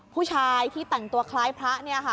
ผู้ชายที่แต่งตัวคล้ายพระ